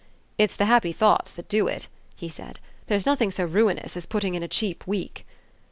"It's the happy thoughts that do it," he said; "there's nothing so ruinous as putting in a cheap week."